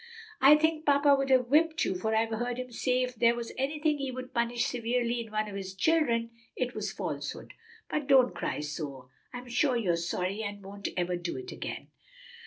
I think papa would have whipped you, for I've heard him say if there was anything he would punish severely in one of his children, it was falsehood. But don't cry so. I'm sure you're sorry and won't ever do it again."